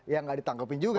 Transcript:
ya gak ditangkepin juga